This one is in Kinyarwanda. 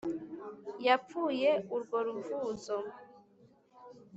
yapfuye urwa ruvuzo